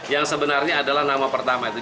yang sebenarnya adalah nama pertama itu